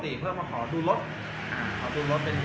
แต่ว่าเมืองนี้ก็ไม่เหมือนกับเมืองอื่น